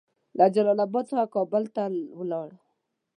له جلال اباد څخه کابل ته ولاړ.